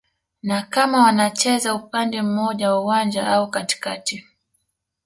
na kama wanacheza upande mmoja wa uwanja au katikati